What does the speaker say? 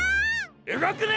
うごくな！